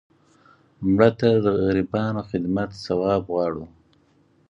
مړه ته د غریبانو خدمت ثواب غواړو